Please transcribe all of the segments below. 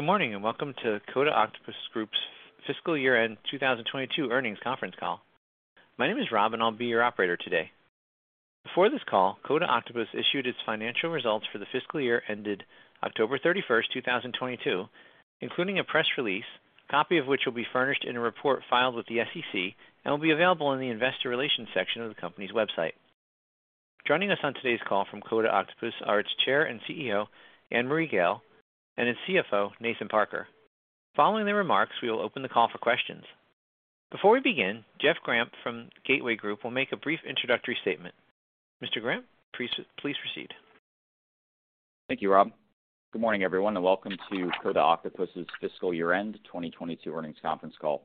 Good morning, welcome to Coda Octopus Group's Fiscal Year-End 2022 Earnings Conference Call. My name is Rob, I'll be your operator today. Before this call, Coda Octopus issued its financial results for the fiscal year ended October 31st, 2022, including a press release, a copy of which will be furnished in a report filed with the SEC and will be available in the investor relations section of the company's website. Joining us on today's call from Coda Octopus are its Chair and CEO, Annmarie Gayle, its CFO, Nathan Parker. Following their remarks, we will open the call for questions. Before we begin, Jeff Grampp from Gateway Group will make a brief introductory statement. Mr. Grampp, please proceed. Thank you, Rob. Good morning, everyone, and welcome to Coda Octopus's fiscal year-end 2022 earnings conference call.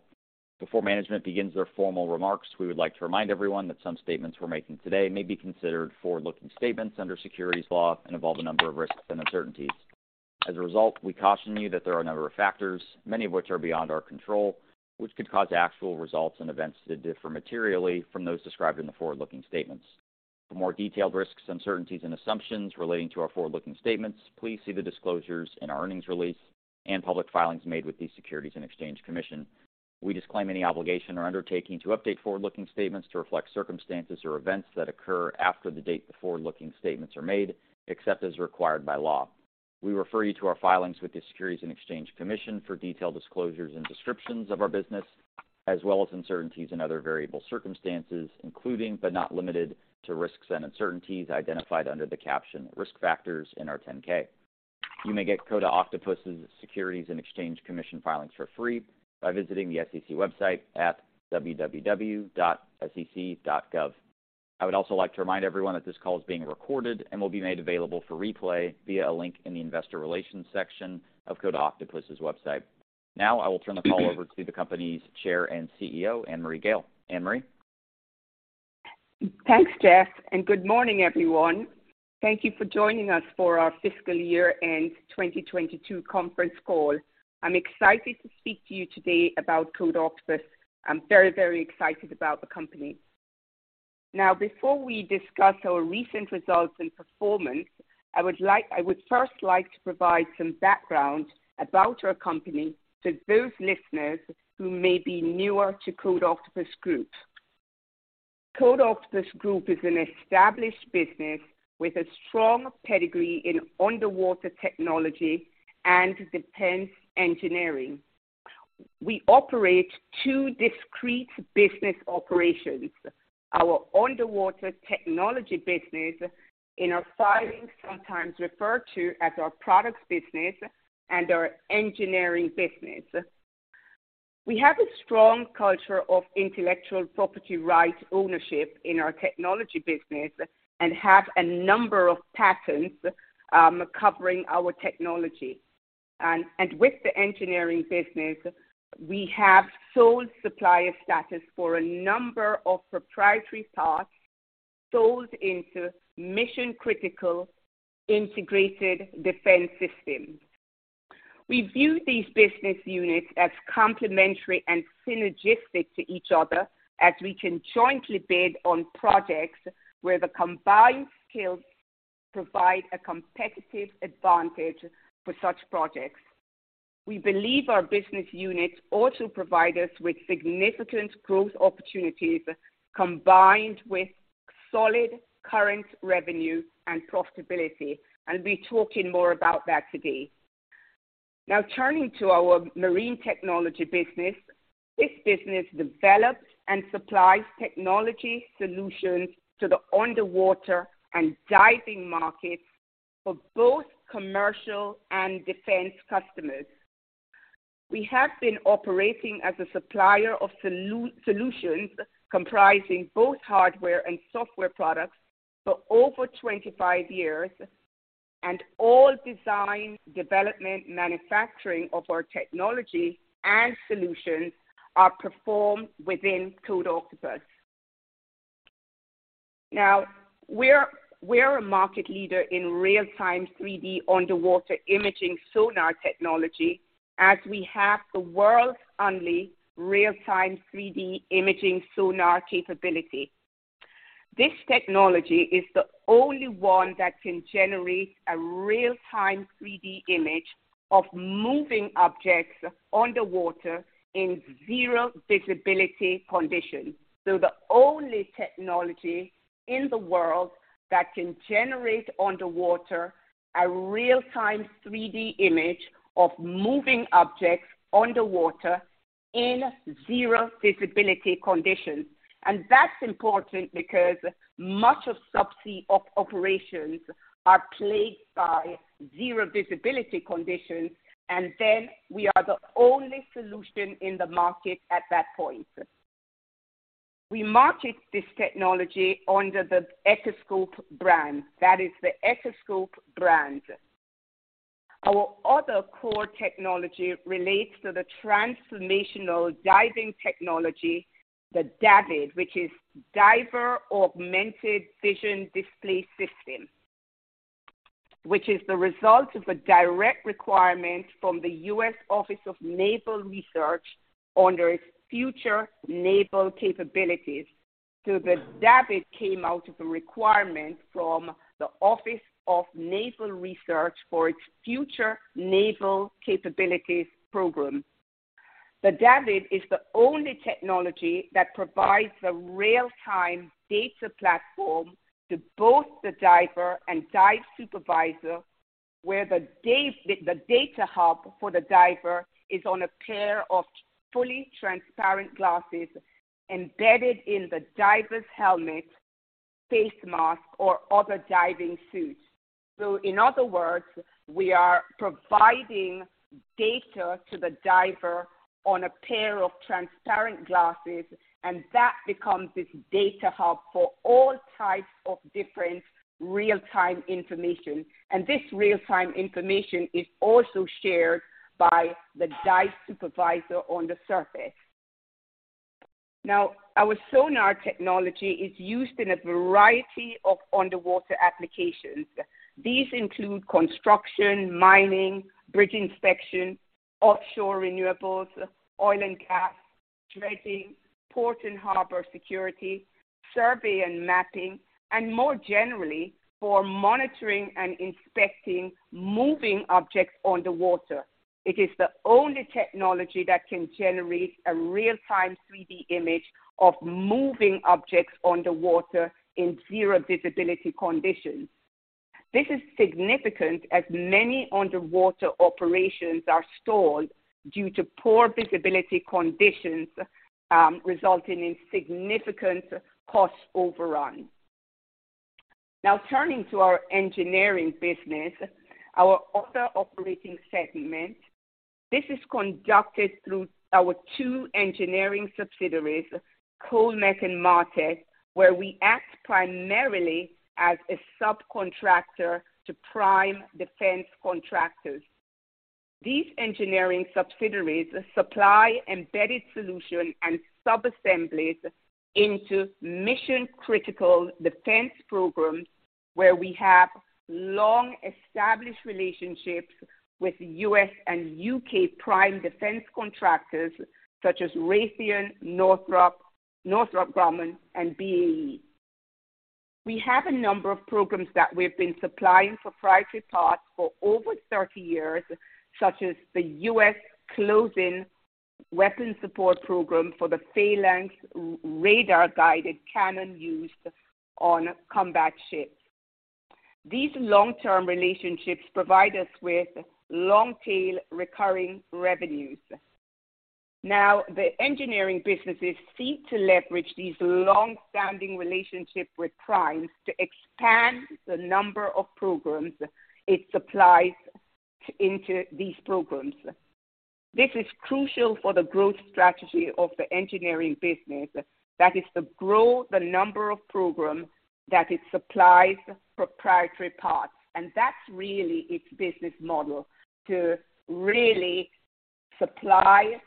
Before management begins their formal remarks, we would like to remind everyone that some statements we're making today may be considered forward-looking statements under securities law and involve a number of risks and uncertainties. As a result, we caution you that there are a number of factors, many of which are beyond our control, which could cause actual results and events to differ materially from those described in the forward-looking statements. For more detailed risks, uncertainties, and assumptions relating to our forward-looking statements, please see the disclosures in our earnings release and public filings made with the Securities and Exchange Commission. We disclaim any obligation or undertaking to update forward-looking statements to reflect circumstances or events that occur after the date the forward-looking statements are made, except as required by law. We refer you to our filings with the Securities and Exchange Commission for detailed disclosures and descriptions of our business, as well as uncertainties and other variable circumstances, including but not limited to risks and uncertainties identified under the caption Risk Factors in our 10-K. You may get Coda Octopus' Securities and Exchange Commission filings for free by visiting the SEC website at www.sec.gov. I would also like to remind everyone that this call is being recorded and will be made available for replay via a link in the investor relations section of Coda Octopus's website. Now, I will turn the call over to the company's Chair and CEO, Annmarie Gayle. Annmarie? Thanks, Jeff. Good morning, everyone. Thank you for joining us for our fiscal year-end 2022 conference call. I'm excited to speak to you today about Coda Octopus. I'm very, very excited about the company. Before we discuss our recent results and performance, I would first like to provide some background about our company to those listeners who may be newer to Coda Octopus Group. Coda Octopus Group is an established business with a strong pedigree in underwater technology and defense engineering. We operate two discrete business operations: our underwater technology business, in our filings, sometimes referred to as our products business, and our engineering business. We have a strong culture of intellectual property right ownership in our technology business and have a number of patents covering our technology. With the engineering business, we have sole supplier status for a number of proprietary parts sold into mission-critical integrated defense systems. We view these business units as complementary and synergistic to each other, as we can jointly bid on projects where the combined skills provide a competitive advantage for such projects. We believe our business units also provide us with significant growth opportunities combined with solid current revenue and profitability. I'll be talking more about that today. Now turning to our marine technology business. This business develops and supplies technology solutions to the underwater and diving markets for both commercial and defense customers. We have been operating as a supplier of solutions comprising both hardware and software products for over 25 years, and all design, development, manufacturing of our technology and solutions are performed within Coda Octopus. We're a market leader in real-time 3D underwater imaging sonar technology, as we have the world's only real-time 3D imaging sonar capability. This technology is the only one that can generate a real-time 3D image of moving objects underwater in zero visibility conditions. The only technology in the world that can generate underwater a real-time 3D image of moving objects underwater in zero visibility conditions. That's important because much of subsea operations are plagued by zero visibility conditions, we are the only solution in the market at that point. We market this technology under the Echoscope brand. That is the Echoscope brand. Our other core technology relates to the transformational diving technology, the DAVD, which is Diver Augmented Vision Display system, which is the result of a direct requirement from the US Office of Naval Research under its Future Naval Capabilities. The DAVD came out of a requirement from the Office of Naval Research for its Future Naval Capabilities program. The DAVD is the only technology that provides a real-time data platform to both the diver and dive supervisor, where the data hub for the diver is on a pair of fully transparent glasses embedded in the diver's helmet, face mask, or other diving suits. In other words, we are providing data to the diver on a pair of transparent glasses, and that becomes this data hub for all types of different real-time information. This real-time information is also shared by the dive supervisor on the surface. Our sonar technology is used in a variety of underwater applications. These include construction, mining, bridge inspection, offshore renewables, oil and gas, dredging, port and harbor security, survey and mapping, and more generally, for monitoring and inspecting moving objects on the water. It is the only technology that can generate a real-time 3D image of moving objects on the water in zero visibility conditions. This is significant as many underwater operations are stalled due to poor visibility conditions, resulting in significant cost overruns. Turning to our engineering business, our other operating segment. This is conducted through our two engineering subsidiaries, Colmek and Martech, where we act primarily as a subcontractor to prime defense contractors. These engineering subsidiaries supply embedded solution and subassemblies into mission-critical defense programs, where we have long-established relationships with U.S. and U.K. prime defense contractors such as Raytheon, Northrop Grumman, and BAE. We have a number of programs that we've been supplying proprietary parts for over 30 years, such as the U.S. Close-In Weapon Support program for the Phalanx radar-guided cannon used on combat ships. These long-term relationships provide us with long-tail recurring revenues. The engineering businesses seek to leverage these long-standing relationship with primes to expand the number of programs it supplies into these programs. This is crucial for the growth strategy of the engineering business. That is to grow the number of programs that it supplies proprietary parts. That's really its business model, to really supply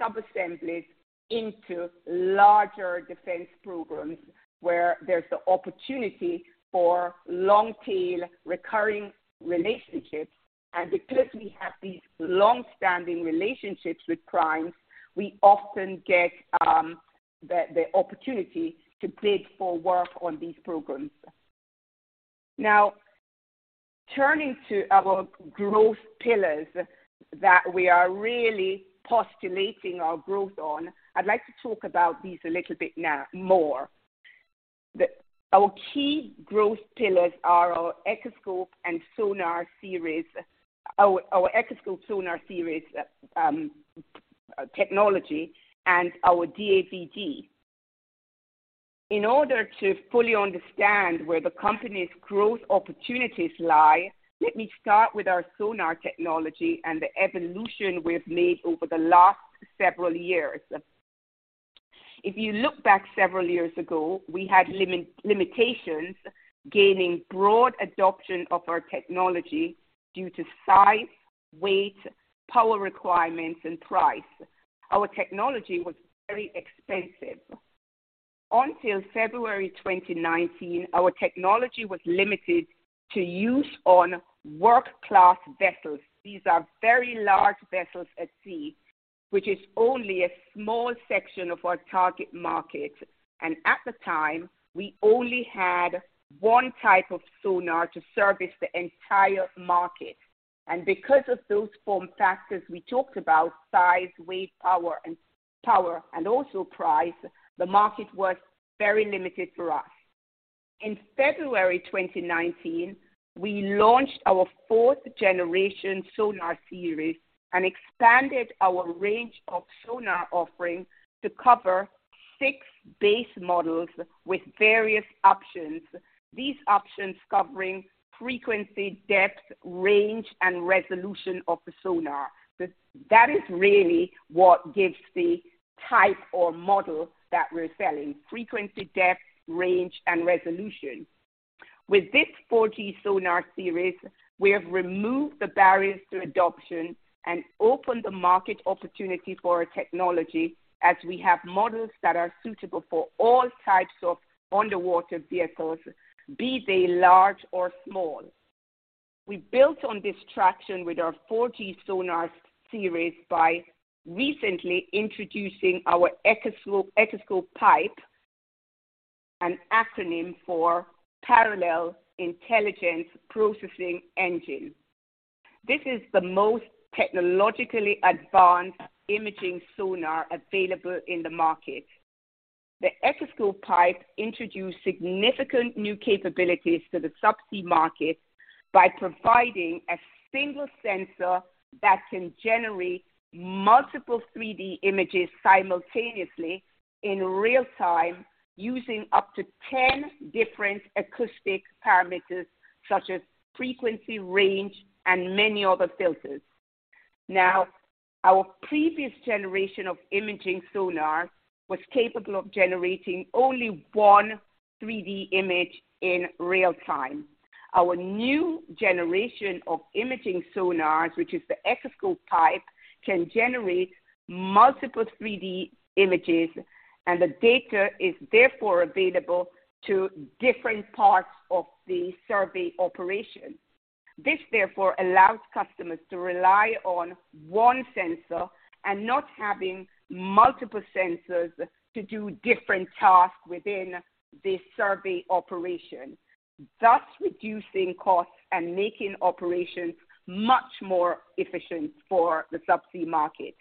subassemblies into larger defense programs where there's the opportunity for long-tail recurring relationships. Because we have these long-standing relationships with primes, we often get the opportunity to bid for work on these programs. Turning to our growth pillars that we are really postulating our growth on, I'd like to talk about these a little bit now more. Our key growth pillars are our Echoscope and sonar series, our Echoscope sonar series technology, and our DAVD. In order to fully understand where the company's growth opportunities lie, let me start with our sonar technology and the evolution we've made over the last several years. If you look back several years ago, we had limitations gaining broad adoption of our technology due to size, weight, power requirements, and price. Our technology was very expensive. Until February 2019, our technology was limited to use on work class vessels. These are very large vessels at sea, which is only a small section of our target market. At the time, we only had one type of sonar to service the entire market. Because of those form factors we talked about size, weight, power, and also price, the market was very limited for us. In February 2019, we launched our fourth-generation sonar series and expanded our range of sonar offerings to cover six base models with various options. These options covering frequency, depth, range, and resolution of the sonar. That is really what gives the type or model that we're selling, frequency, depth, range, and resolution. With this 4G sonar series, we have removed the barriers to adoption and opened the market opportunity for our technology as we have models that are suitable for all types of underwater vehicles, be they large or small. We built on this traction with our 4G sonar series by recently introducing our Echoscope PIPE, an acronym for Parallel Intelligent Processing Engine. This is the most technologically advanced imaging sonar available in the market. The Echoscope PIPE introduced significant new capabilities to the subsea market by providing a single sensor that can generate multiple 3D images simultaneously in real time, using up to 10 different acoustic parameters such as frequency range and many other filters. Our previous generation of imaging sonar was capable of generating only one 3D image in real time. Our new generation of imaging sonars, which is the Echoscope PIPE, can generate multiple 3D images. The data is therefore available to different parts of the survey operation. This therefore allows customers to rely on one sensor and not having multiple sensors to do different tasks within the survey operation, thus reducing costs and making operations much more efficient for the subsea market.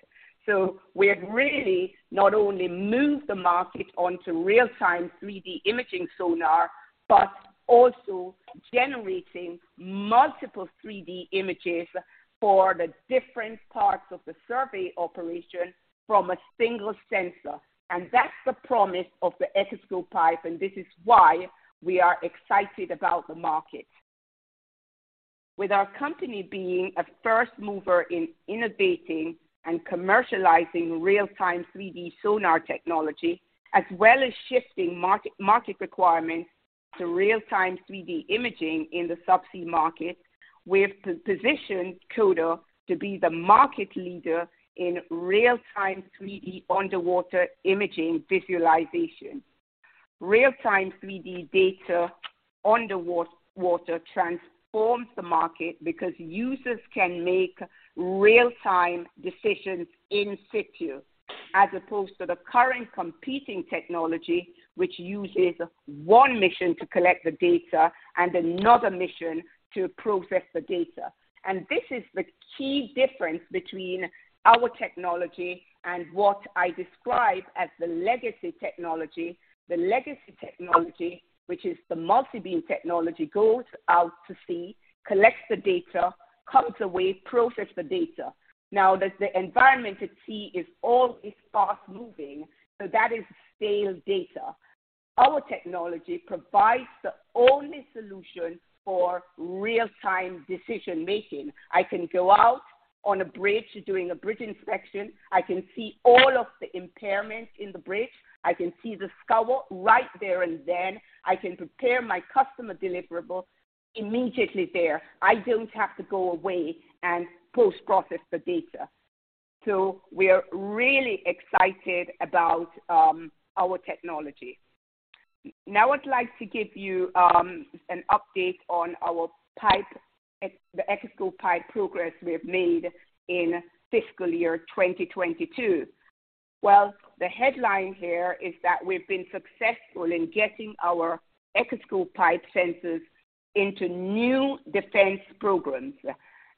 We have really not only moved the market onto real-time 3D imaging sonar, but also generating multiple 3D images for the different parts of the survey operation from a single sensor. That's the promise of the Echoscope PIPE, and this is why we are excited about the market. With our company being a first mover in innovating and commercializing real-time 3D sonar technology, as well as shifting market requirements to real-time 3D imaging in the subsea market, we have positioned Coda to be the market leader in real-time 3D underwater imaging visualization. Real-time 3D data underwater transforms the market because users can make real-time decisions in-situ, as opposed to the current competing technology, which uses one mission to collect the data and another mission to process the data. This is the key difference between our technology and what I describe as the legacy technology. The legacy technology, which is the multi-beam technology, goes out to sea, collects the data, comes away, process the data. Now, the environment at sea is always fast moving, so that is stale data. Our technology provides the only solution for real-time decision making. I can go out on a bridge doing a bridge inspection. I can see all of the impairment in the bridge. I can see the scour right there and then. I can prepare my customer deliverable immediately there. I don't have to go away and post-process the data. We are really excited about our technology. Now I'd like to give you an update on our PIPE, the Echoscope PIPE progress we have made in fiscal year 2022. Well, the headline here is that we've been successful in getting our Echoscope PIPE sensors into new defense programs.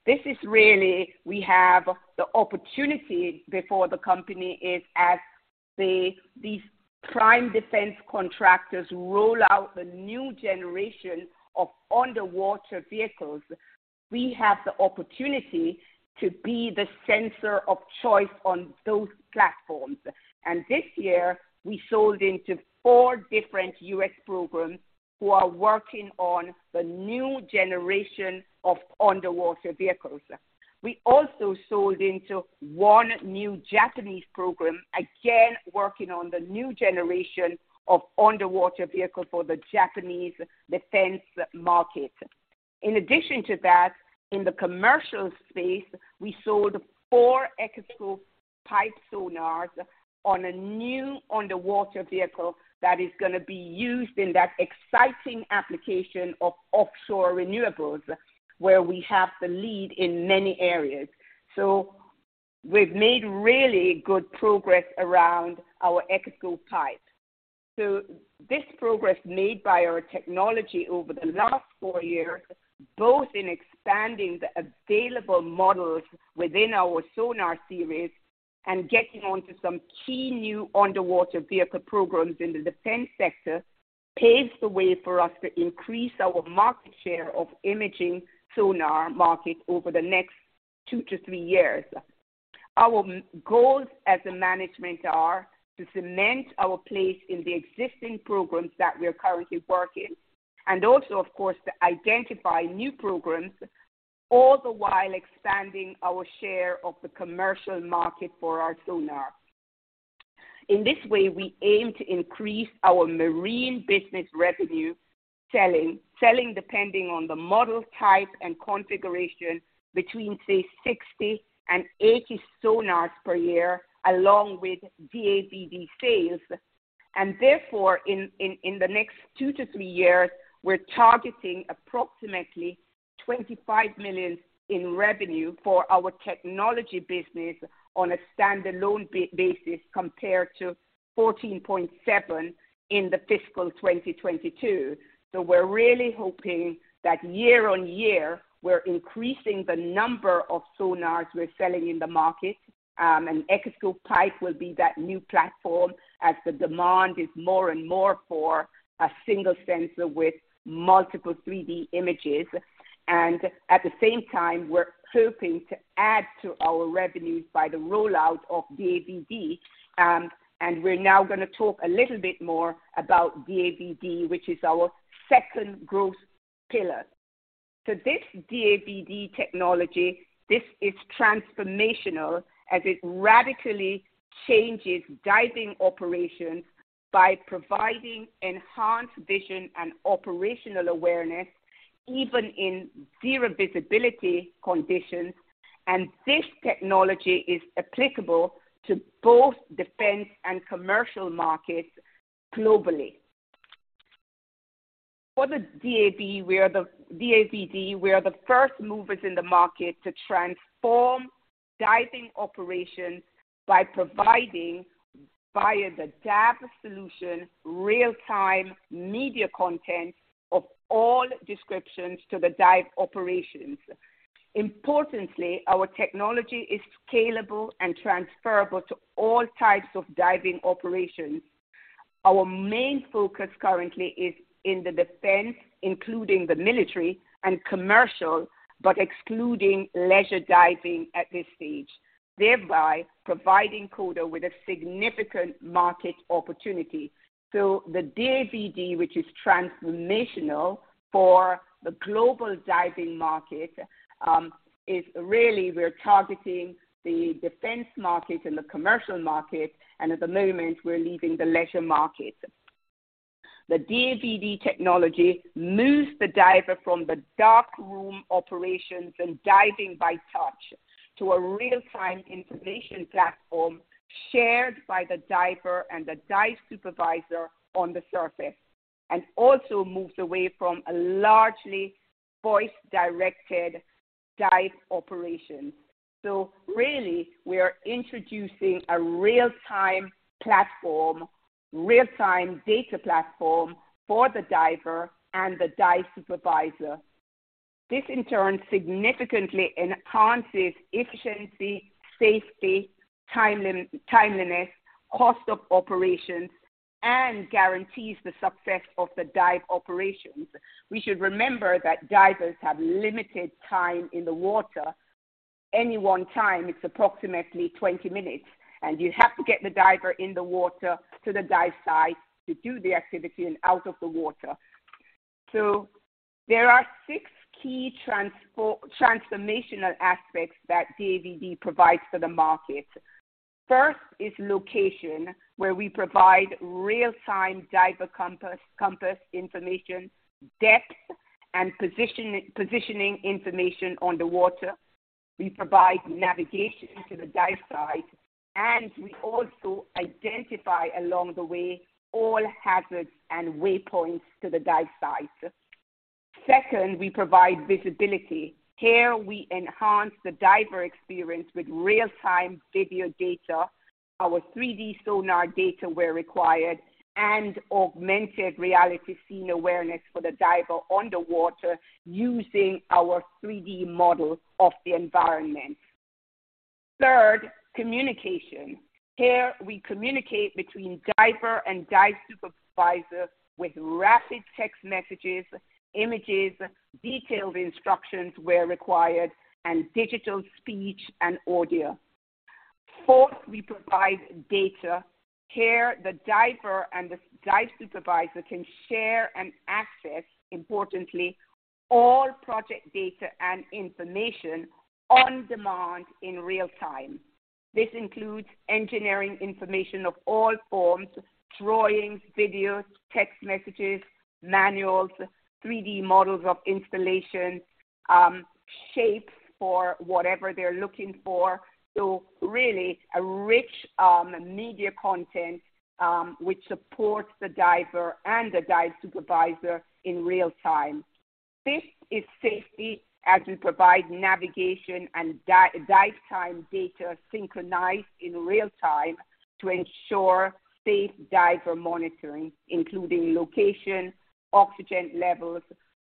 This is really we have the opportunity before the company these prime defense contractors roll out the new generation of underwater vehicles, we have the opportunity to be the sensor of choice on those platforms. This year we sold into four different U.S. programs who are working on the new generation of underwater vehicles. We also sold into one new Japanese program, again, working on the new generation of underwater vehicle for the Japanese defense market. In addition to that, in the commercial space, we sold four Echoscope PIPE sonars on a new underwater vehicle that is gonna be used in that exciting application of offshore renewables, where we have the lead in many areas. We've made really good progress around our Echoscope PIPE. This progress made by our technology over the last four years, both in expanding the available models within our sonar series and getting onto some key new underwater vehicle programs in the defense sector, paves the way for us to increase our market share of imaging sonar market over the next two to three years. Our goals as a management are to cement our place in the existing programs that we are currently working, and also, of course, to identify new programs, all the while expanding our share of the commercial market for our sonar. In this way, we aim to increase our marine business revenue selling depending on the model type and configuration between, say, 60 and 80 sonars per year, along with DAVD sales. Therefore, in the next two to three years, we're targeting approximately $25 million in revenue for our technology business on a standalone basis compared to $14.7 million in fiscal 2022. We're really hoping that year-on-year, we're increasing the number of sonars we're selling in the market, and Echoscope PIPE will be that new platform as the demand is more and more for a single sensor with multiple 3D images. At the same time, we're hoping to add to our revenues by the rollout of DAVD, and we're now gonna talk a little bit more about DAVD which is our second growth pillar. This DAVD technology, this is transformational as it radically changes diving operations by providing enhanced vision and operational awareness even in zero visibility conditions. This technology is applicable to both defense and commercial markets globally. For the DAVD, we are the first movers in the market to transform diving operations by providing via the DAV solution real-time media content of all descriptions to the dive operations. Importantly, our technology is scalable and transferable to all types of diving operations. Our main focus currently is in the defense, including the military and commercial, but excluding leisure diving at this stage, thereby providing Coda with a significant market opportunity. The DAVD, which is transformational for the global diving market, is really we're targeting the defense market and the commercial market, and at the moment we're leaving the leisure market. The DAVD technology moves the diver from the dark room operations and diving by touch to a real-time information platform shared by the diver and the dive supervisor on the surface, and also moves away from a largely voice-directed dive operation. Really we are introducing a real-time platform, real-time data platform for the diver and the dive supervisor. This in turn significantly enhances efficiency, safety, timeliness, cost of operations, and guarantees the success of the dive operations. We should remember that divers have limited time in the water. Any one time it's approximately 20 minutes, and you have to get the diver in the water to the dive site to do the activity and out of the water. There are six key transformational aspects that DAVD provides for the market. First is location, where we provide real-time diver compass information, depth and positioning information on the water. We provide navigation to the dive site. We also identify along the way all hazards and waypoints to the dive site. Second, we provide visibility. Here we enhance the diver experience with real-time video data, our 3D sonar data where required, and augmented reality scene awareness for the diver underwater using our 3D model of the environment. Third, communication. Here we communicate between diver and dive supervisor with rapid text messages, images, detailed instructions where required, and digital speech and audio. Fourth, we provide data. Here, the diver and the dive supervisor can share and access, importantly, all project data and information on demand in real time. This includes engineering information of all forms, drawings, videos, text messages, manuals, 3D models of installation, shapes for whatever they're looking for. Really a rich media content, which supports the diver and the dive supervisor in real time. Fifth, is safety as we provide navigation and dive time data synchronized in real time to ensure safe diver monitoring, including location, oxygen levels,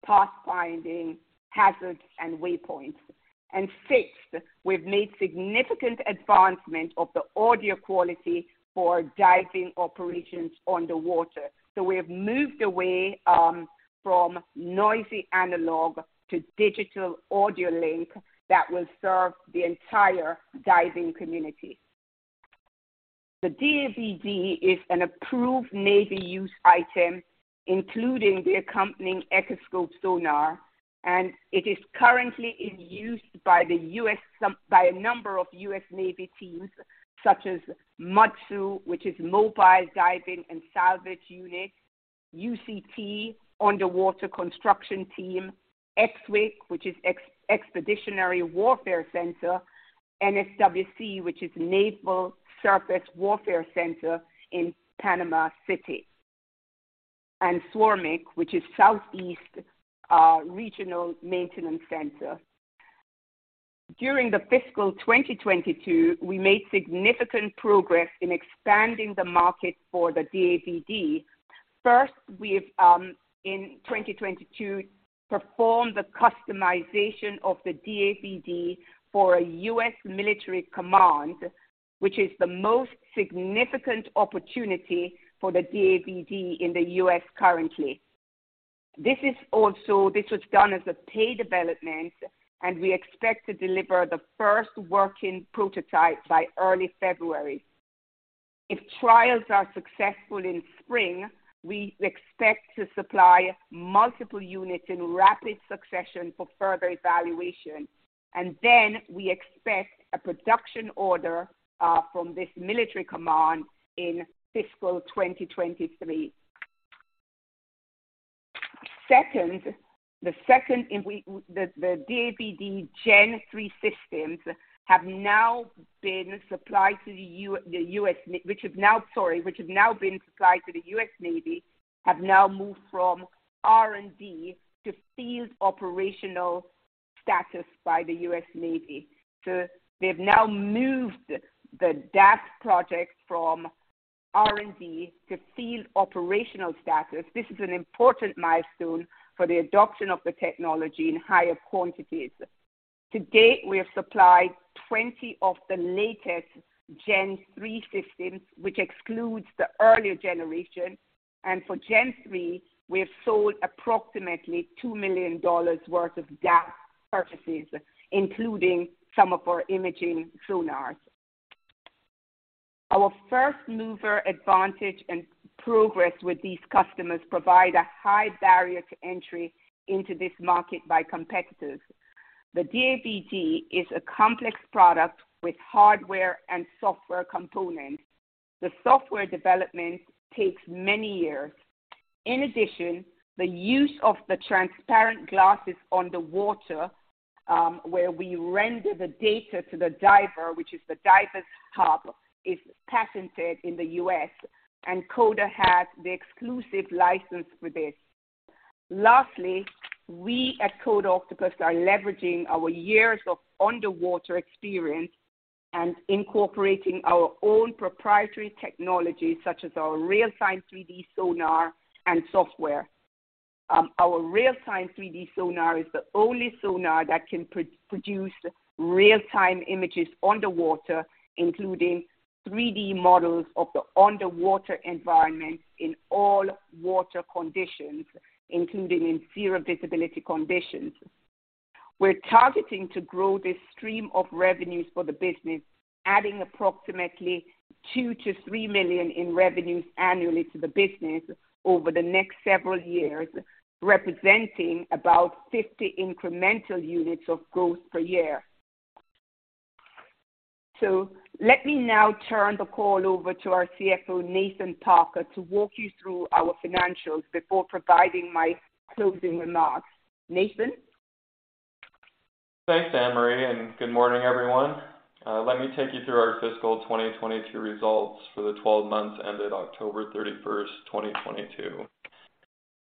pathfinding, hazards and waypoints. Sixth, we've made significant advancement of the audio quality for diving operations underwater. We have moved away from noisy analog to digital audio link that will serve the entire diving community. The DAVD is an approved Navy use item, including the accompanying Echoscope sonar, and it is currently in use by a number of U.S. Navy teams such as MDSU, which is Mobile Diving and Salvage Unit, UCT, Underwater Construction Team, EXWC, which is Expeditionary Warfare Center, NSWC, which is Naval Surface Warfare Center in Panama City, and SERMC, which is Southeast Regional Maintenance Center. During the fiscal 2022, we made significant progress in expanding the market for the DAVD. First, we've in 2022, performed the customization of the DAVD for a U.S. military command, which is the most significant opportunity for the DAVD in the U.S. currently. This was done as a paid development. We expect to deliver the first working prototype by early February. If trials are successful in spring, we expect to supply multiple units in rapid succession for further evaluation. Then we expect a production order from this military command in fiscal 2023. Second, the DAVD Gen 3.0 systems have now been supplied to the U.S. Navy, have now moved from R&D to field operational status by the U.S. Navy. They've now moved the DAST project from R&D to field operational status. This is an important milestone for the adoption of the technology in higher quantities. To date, we have supplied 20 of the latest Gen 3.0 Systems, which excludes the earlier generation. For Gen 3.0, we have sold approximately $2 million worth of DAST purchases, including some of our imaging sonars. Our first mover advantage and progress with these customers provide a high barrier to entry into this market by competitors. The DAVD is a complex product with hardware and software components. The software development takes many years. In addition, the use of the transparent glasses on the water, where we render the data to the diver, which is the diver's hub, is patented in the U.S., and Coda has the exclusive license for this. Lastly, we at Coda Octopus are leveraging our years of underwater experience and incorporating our own proprietary technologies, such as our real-time 3D sonar and software. Our real-time 3D sonar is the only sonar that can produce real-time images underwater, including 3D models of the underwater environment in all water conditions, including in zero visibility conditions. We're targeting to grow this stream of revenues for the business, adding approximately $2 million-$3 million in revenues annually to the business over the next several years, representing about 50 incremental units of growth per year. Let me now turn the call over to our CFO, Nathan Parker, to walk you through our financials before providing my closing remarks. Nathan? Thanks, Annmarie, Good morning, everyone. Let me take you through our fiscal 2022 results for the 12 months ended October 31st, 2022.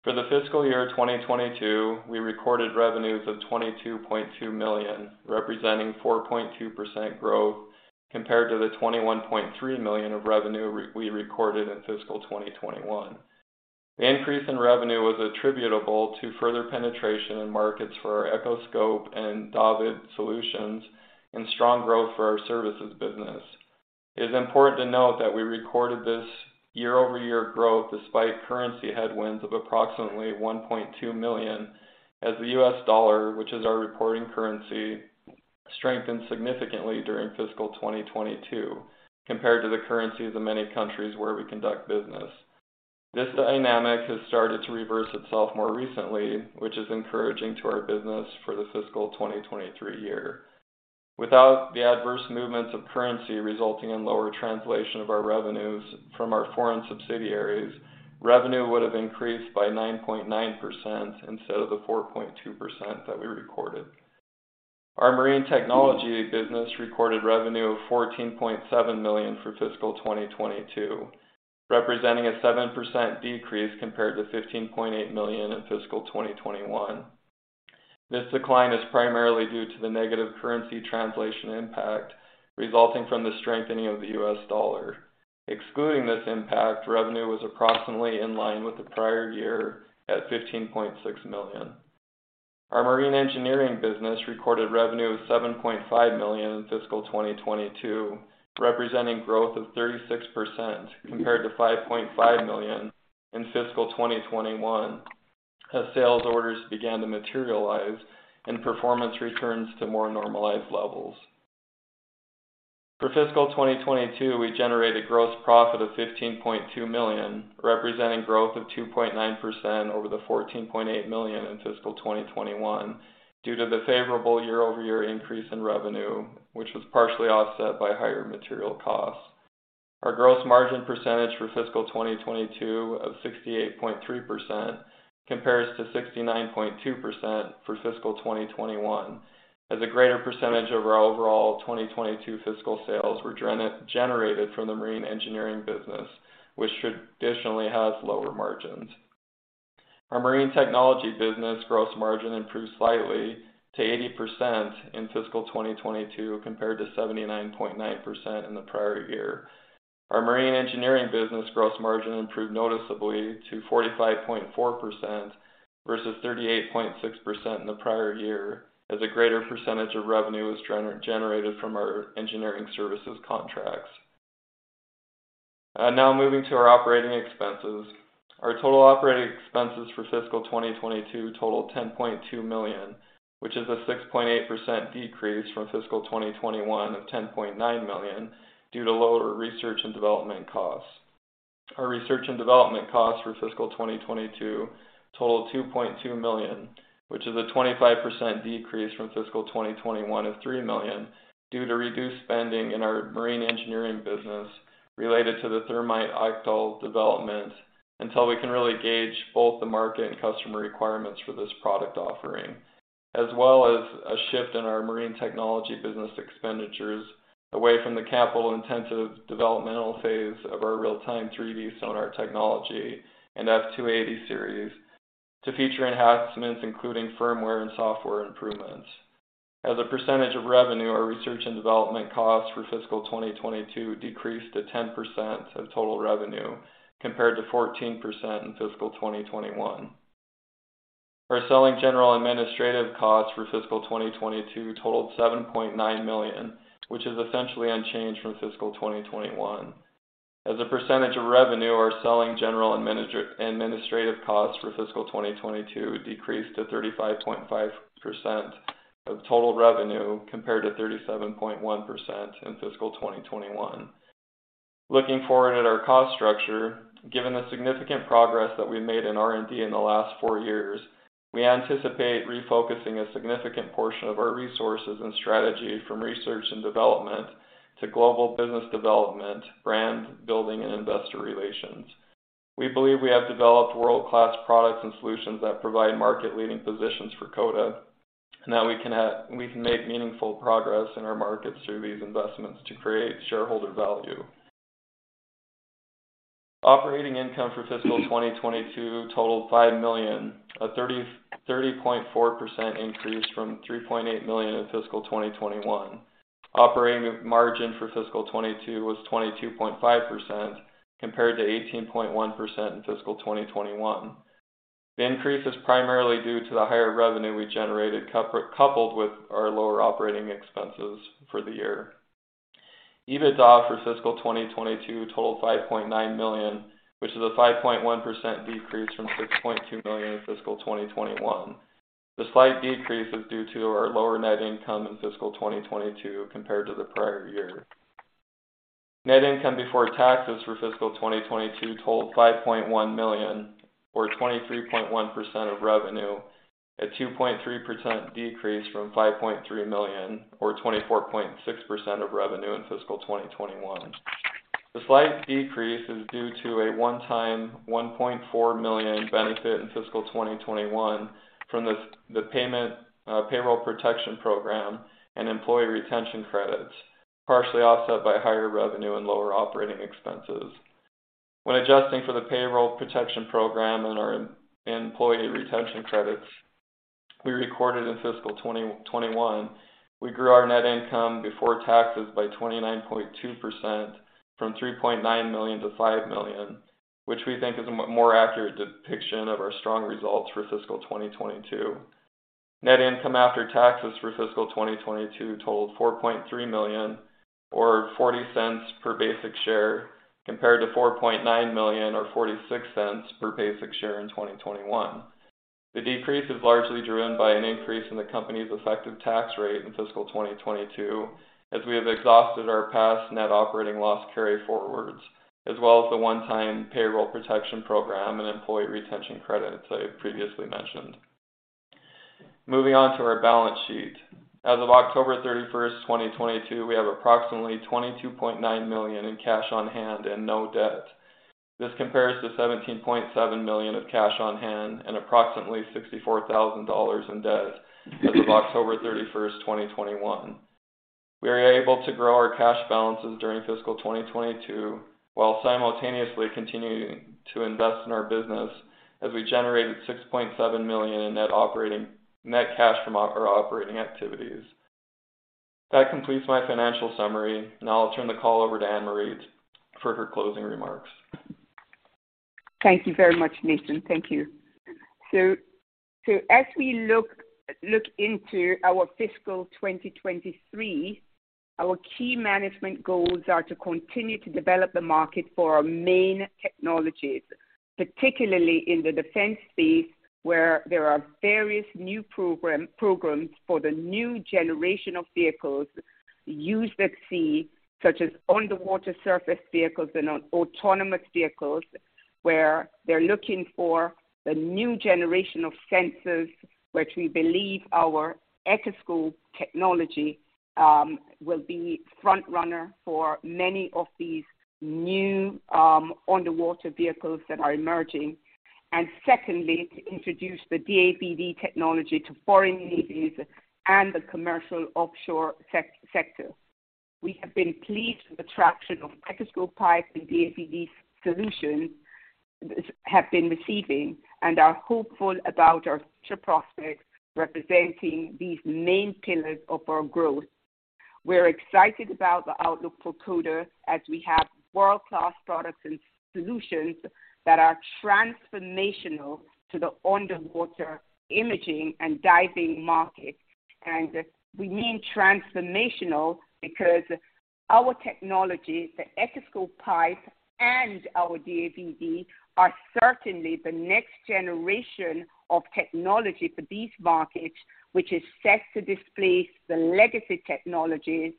For the fiscal year 2022, we recorded revenues of $22.2 million, representing 4.2% growth compared to the $21.3 million of revenue we recorded in fiscal 2021. The increase in revenue was attributable to further penetration in markets for our Echoscope and DAVD solutions and strong growth for our services business. It is important to note that we recorded this year-over-year growth despite currency headwinds of approximately $1.2 million. The US dollar, which is our reporting currency, strengthened significantly during fiscal 2022 compared to the currencies of many countries where we conduct business. This dynamic has started to reverse itself more recently, which is encouraging to our business for the fiscal 2023 year. Without the adverse movements of currency resulting in lower translation of our revenues from our foreign subsidiaries, revenue would have increased by 9.9% instead of the 4.2% that we recorded. Our Marine Technology business recorded revenue of $14.7 million for fiscal 2022, representing a 7% decrease compared to $15.8 million in fiscal 2021. This decline is primarily due to the negative currency translation impact resulting from the strengthening of the US dollar. Excluding this impact, revenue was approximately in line with the prior year at $15.6 million. Our Marine Engineering business recorded revenue of $7.5 million in fiscal 2022, representing growth of 36% compared to $5.5 million in fiscal 2021 as sales orders began to materialize and performance returns to more normalized levels. For fiscal 2022, we generated gross profit of $15.2 million, representing growth of 2.9% over the $14.8 million in fiscal 2021 due to the favorable year-over-year increase in revenue, which was partially offset by higher material costs. Our gross margin percentage for fiscal 2022 of 68.3% compares to 69.2% for fiscal 2021, as a greater percentage of our overall 2022 fiscal sales were generated from the marine engineering business, which traditionally has lower margins. Our marine technology business gross margin improved slightly to 80% in fiscal 2022 compared to 79.9% in the prior year. Our marine engineering business gross margin improved noticeably to 45.4% versus 38.6% in the prior year, as a greater percentage of revenue was generated from our engineering services contracts. Now moving to our operating expenses. Our total operating expenses for fiscal 2022, totalled $10.2 million, which is a 6.8% decrease from fiscal 2021 of $10.9 million due to lower research and development costs. Our research and development costs for fiscal 2022 totalled $2.2 million, which is a 25% decrease from fiscal 2021 of $3 million due to reduced spending in our marine engineering business related to the Thermite Octal development until we can really gauge both the market and customer requirements for this product offering, as well as a shift in our marine technology business expenditures away from the capital-intensive developmental phase of our real-time 3D sonar technology and F280 Series to feature enhancements including firmware and software improvements. As a percentage of revenue, our research and development costs for fiscal 2022 decreased to 10% of total revenue compared to 14% in fiscal 2021. Our selling general administrative costs for fiscal 2022 totalled $7.9 million, which is essentially unchanged from fiscal 2021. As a percentage of revenue, our selling general administrative costs for fiscal 2022 decreased to 35.5% of total revenue compared to 37.1% in fiscal 2021. Looking forward at our cost structure, given the significant progress that we made in R&D in the last four years, we anticipate refocusing a significant portion of our resources and strategy from research and development to global business development, brand building and investor relations. We believe we have developed world-class products and solutions that provide market-leading positions for Coda, now we can make meaningful progress in our markets through these investments to create shareholder value. Operating income for fiscal 2022 totalled $5 million, a 30.4% increase from $3.8 million in fiscal 2021. Operating margin for fiscal 2022 was 22.5% compared to 18.1% in fiscal 2021. The increase is primarily due to the higher revenue we generated coupled with our lower operating expenses for the year. EBITDA for fiscal 2022, totalled $5.9 million, which is a 5.1% decrease from $6.2 million in fiscal 2021. The slight decrease is due to our lower net income in fiscal 2022 compared to the prior year. Net income before taxes for fiscal 2022, totalled $5.1 million or 23.1% of revenue, a 2.3% decrease from $5.3 million or 24.6% of revenue in fiscal 2021. The slight decrease is due to a one-time $1.4 million benefit in fiscal 2021 from the Paycheck Protection Program and Employee Retention Credit, partially offset by higher revenue and lower operating expenses. When adjusting for the Paycheck Protection Program and our Employee Retention Credit, we recorded in fiscal 2021, we grew our net income before taxes by 29.2% from $3.9 million to $5 million, which we think is a more accurate depiction of our strong results for fiscal 2022. Net income after taxes for fiscal 2022 totalled $4.3 million or $0.40 per basic share, compared to $4.9 million or $0.46 per basic share in 2021. The decrease is largely driven by an increase in the company's effective tax rate in fiscal 2022 as we have exhausted our past net operating loss carryforwards, as well as the one-time Paycheck Protection Program and Employee Retention Credits I previously mentioned. Moving on to our balance sheet. As of October 31st, 2022, we have approximately $22.9 million in cash on hand and no debt. This compares to $17.7 million of cash on hand and approximately $64,000 in debt as of October 31st, 2021. We are able to grow our cash balances during fiscal 2022 while simultaneously continuing to invest in our business as we generated $6.7 million in net cash from our operating activities. That completes my financial summary, now I'll turn the call over to Annmarie for her closing remarks. Thank you very much, Nathan. Thank you. As we look into our fiscal 2023, our key management goals are to continue to develop the market for our main technologies, particularly in the defense space, where there are various new programs for the new generation of vehicles used at sea, such as underwater surface vehicles and autonomous vehicles. Where they're looking for the new generation of sensors, which we believe our Echoscope technology will be frontrunner for many of these new underwater vehicles that are emerging. Secondly, to introduce the DAVD technology to foreign navies and the commercial offshore sector. We have been pleased with the traction of Echoscope PIPE and DAVD solutions have been receiving and are hopeful about our future prospects representing these main pillars of our growth. We're excited about the outlook for Coda as we have world-class products and solutions that are transformational to the underwater imaging and diving market. We mean transformational because our technology, the Echoscope PIPE and our DAVD, are certainly the next generation of technology for these markets, which is set to displace the legacy technologies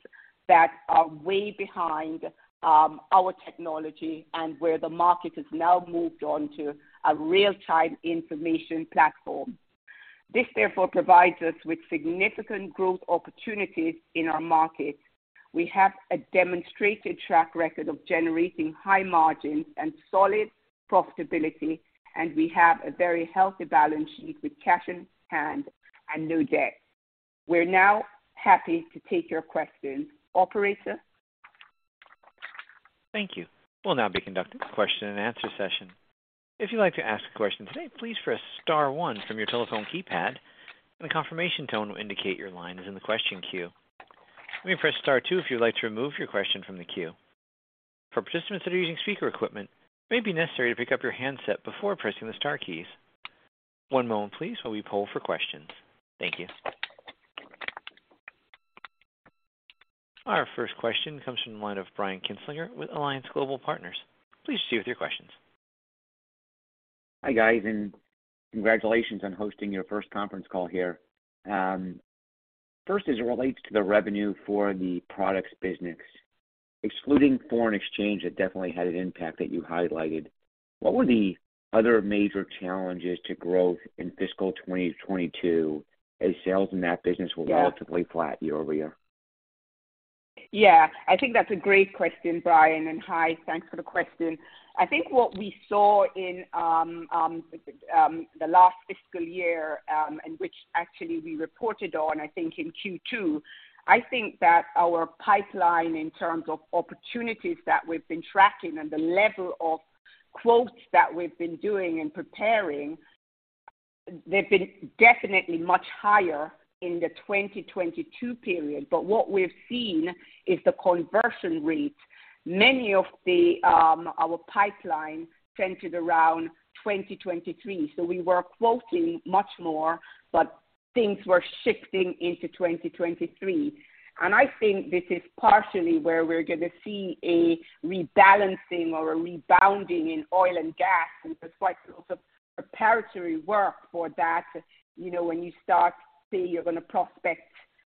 that are way behind our technology and where the market has now moved on to a real-time information platform. This therefore provides us with significant growth opportunities in our market. We have a demonstrated track record of generating high margins and solid profitability. We have a very healthy balance sheet with cash in hand and no debt. We're now happy to take your questions. Operator? Thank you. We'll now be conducting a question-and-answer session. If you'd like to ask a question today, please press star one from your telephone keypad and a confirmation tone will indicate your line is in the question queue. You may press star two if you'd like to remove your question from the queue. For participants that are using speaker equipment, it may be necessary to pick up your handset before pressing the star keys. One moment please while we poll for questions. Thank you. Our first question comes from the line of Brian Kinstlinger with Alliance Global Partners. Please proceed with your questions. Hi, guys, congratulations on hosting your first conference call here. First, as it relates to the revenue for the products business, excluding foreign exchange that definitely had an impact that you highlighted, what were the other major challenges to growth in fiscal 2022 as sales in that business relatively flat year-over-year? Yeah, I think that's a great question, Brian, and hi. Thanks for the question. I think what we saw in the last fiscal year, and which actually we reported on, I think in Q2, I think that our pipeline in terms of opportunities that we've been tracking and the level of quotes that we've been doing and preparing, they've been definitely much higher in the 2022 period. What we've seen is the conversion rates. Many of the our pipeline centered around 2023. We were quoting much more, but things were shifting into 2023. I think this is partially where we're gonna see a rebalancing or a rebounding in oil and gas. There's quite a lot of preparatory work for that. You know, when you start, say, you're gonna prospect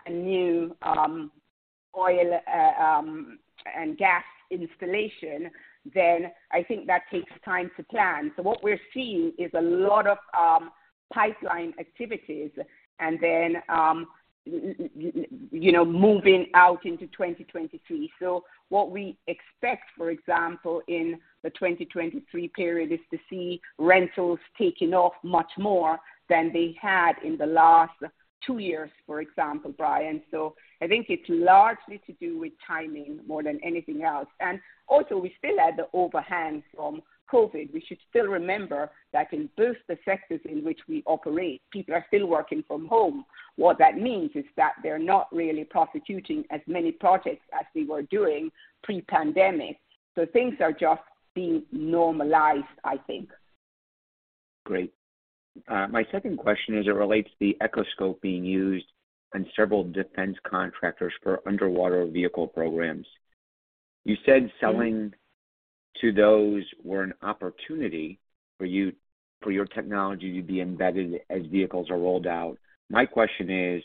a new oil and gas installation, then I think that takes time to plan. What we're seeing is a lot of pipeline activities and then you know, moving out into 2023. What we expect, for example, in the 2023 period is to see rentals taking off much more than they had in the last two years, for example, Brian. I think it's largely to do with timing more than anything else. Also we still had the overhand from COVID. We should still remember that in both the sectors in which we operate, people are still working from home. What that means is that they're not really prosecuting as many projects as we were doing pre-pandemic. Things are just being normalized, I think. Great. My second question as it relates to the Echoscope being used in several defense contractors for underwater vehicle programs. You said [something] to those were an opportunity for your technology to be embedded as vehicles are rolled out. My question is,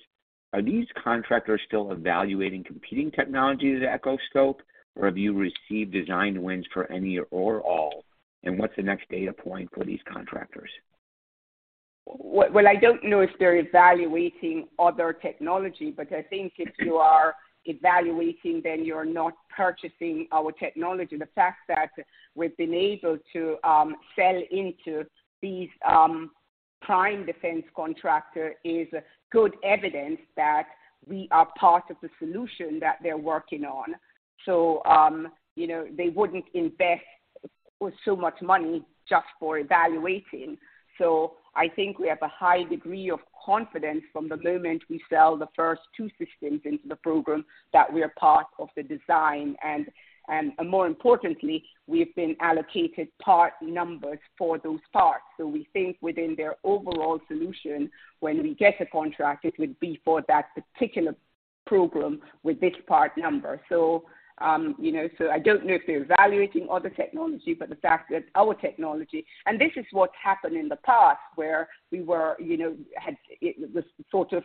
are these contractors still evaluating competing technologies at Echoscope? Have you received design wins for any or all? What's the next data point for these contractors? Well, I don't know if they're evaluating other technology, but I think if you are evaluating, then you're not purchasing our technology. The fact that we've been able to sell into these prime defense contractor is good evidence that we are part of the solution that they're working on. You know, they wouldn't invest so much money just for evaluating. I think we have a high degree of confidence from the moment we sell the first two systems into the program that we are part of the design. And more importantly, we've been allocated part numbers for those parts. We think within their overall solution, when we get a contract, it would be for that particular program with this part number. You know, so I don't know if they're evaluating other technology, but the fact that our technology... This is what's happened in the past where we were, you know, it was sort of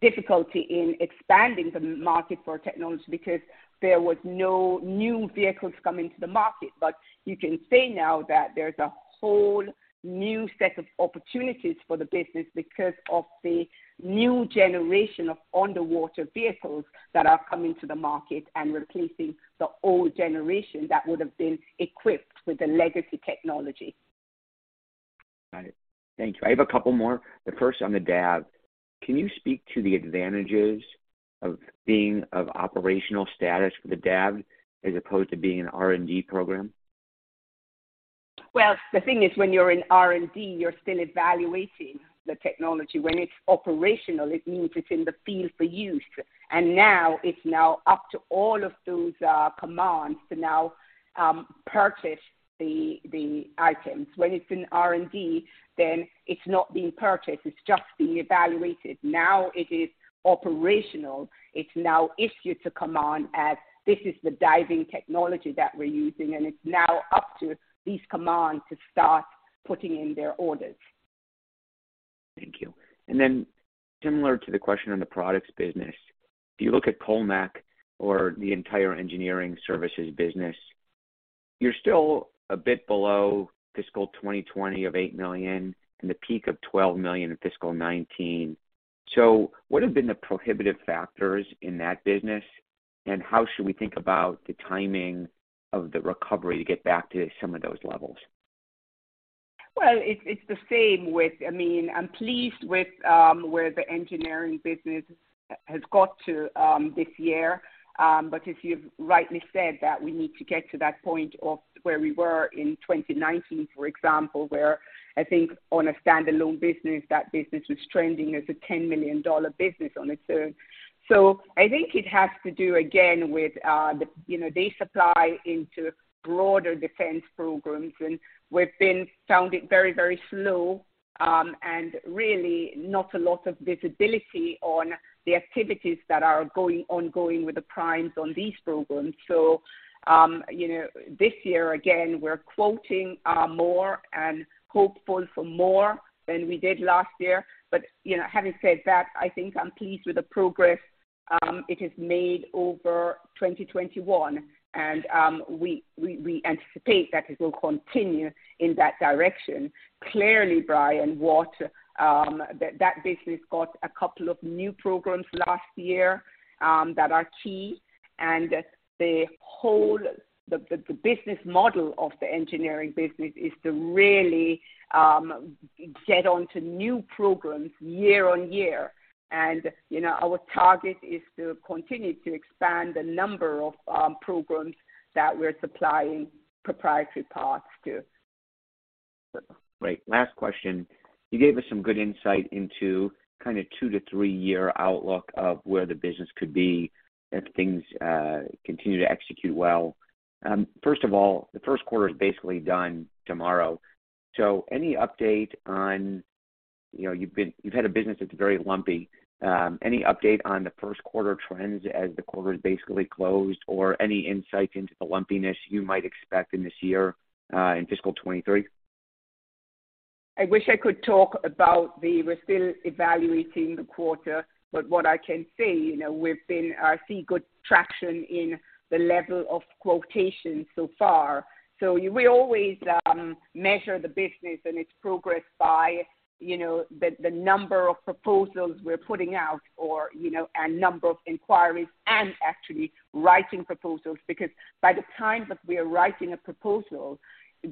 difficulty in expanding the market for technology because there was no new vehicles coming to the market. You can say now that there's a whole new set of opportunities for the business because of the new generation of underwater vehicles that are coming to the market and replacing the old generation that would have been equipped with the legacy technology. Got it. Thank you. I have a couple more. The first on the DAV. Can you speak to the advantages of being of operational status for the DAV as opposed to being an R&D program? Well, the thing is, when you're in R&D, you're still evaluating the technology. When it's operational, it means it's in the field for use. Now it's now up to all of those commands to now purchase the items. When it's in R&D, then it's not being purchased, it's just being evaluated. Now it is operational. It's now issued to command as this is the diving technology that we're using, and it's now up to these commands to start putting in their orders. Thank you. Similar to the question on the products business, if you look at Colmek or the entire engineering services business, you're still a bit below fiscal 2020 of $8 million and the peak of $12 million in fiscal 2019. What have been the prohibitive factors in that business, and how should we think about the timing of the recovery to get back to some of those levels? Well, it's the same with... I mean, I'm pleased with where the engineering business has got to this year but as you've rightly said, that we need to get to that point of where we were in 2019, for example, where I think on a standalone business, that business was trending as a $10 million business on its own. I think it has to do, again, with, you know, they supply into broader defense programs, and we've been sounding very, very slow, and really not a lot of visibility on the activities that are ongoing with the primes on these programs. You know, this year, again, we're quoting more and hopeful for more than we did last year. You know, having said that, I think I'm pleased with the progress it has made over 2021. We anticipate that it will continue in that direction. Clearly, Brian, what that business got a couple of new programs last year that are key. The whole business model of the engineering business is to really get on to new programs year on year. You know, our target is to continue to expand the number of programs that we're supplying proprietary parts to. Great. Last question. You gave us some good insight into two to three year outlook of where the business could be if things, continue to execute well. First of all, the Q1 is basically done tomorrow. Any update on, you know, you've had a business that's very lumpy. Any update on the Q1 trends as the quarter is basically closed or any insight into the lumpiness you might expect in this year, in fiscal 2023? I wish I could talk about the. We're still evaluating the quarter. What I can say, you know, we've been, see good traction in the level of quotations so far. We always measure the business and its progress by, you know, the number of proposals we're putting out or, you know, a number of inquiries and actually writing proposals. By the time that we are writing a proposal,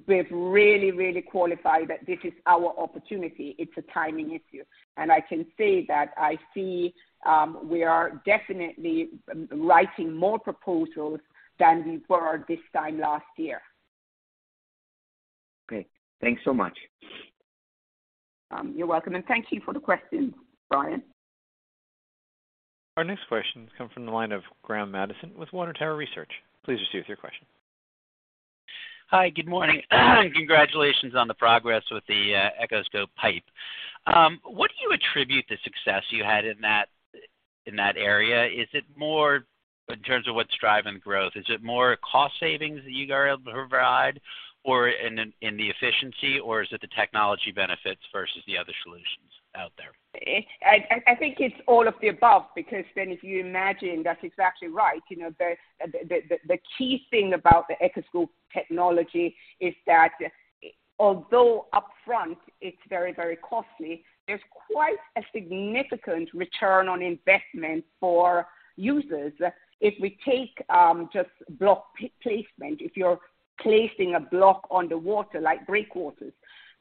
we've really, really qualified that this is our opportunity. It's a timing issue. I can say that I see, we are definitely writing more proposals than we were this time last year. Okay, thanks so much You're welcome, and thank you for the question, Brian. Our next question come from the line of Graham Mattison with Water Tower Research. Please proceed with your question. Hi. Good morning. Congratulations on the progress with the Echoscope PIPE. What do you attribute the success you had in that area? Is it more in terms of what's driving growth? Is it more cost savings that you are able to provide or in the efficiency, or is it the technology benefits versus the other solutions out there? I think it's all of the above. If you imagine, that's exactly right, you know, the key thing about the Echoscope technology is that although upfront it's very, very costly, there's quite a significant return on investment for users. If we take just block placement, if you're placing a block on the water like breakwaters.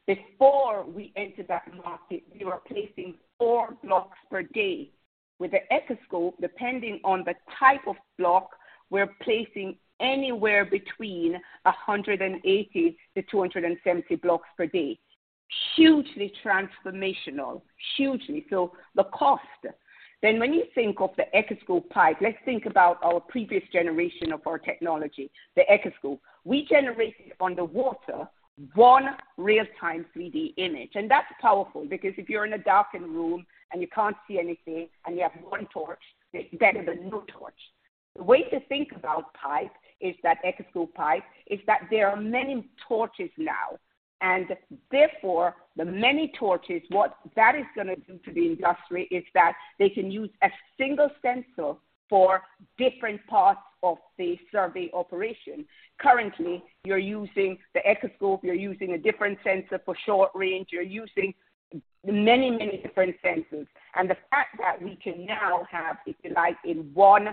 Before we entered that market, we were placing four blocks per day. With the Echoscope, depending on the type of block, we're placing anywhere between 180 to 270 blocks per day. Hugely transformational. Hugely [built] the cost. When you think of the Echoscope PIPE, let's think about our previous generation of our technology, the Echoscope. We generated underwater one real-time 3D image. That's powerful because if you're in a darkened room and you can't see anything and you have one torch, it's better than no torch. The way to think about PIPE is that Echoscope PIPE is that there are many torches now, and therefore the many torches, what that is going to do to the industry is that they can use a single sensor for different parts of the survey operation. Currently, you're using the Echoscope, you're using a different sensor for short range. You're using many, many different sensors. The fact that we can now have, if you like, in one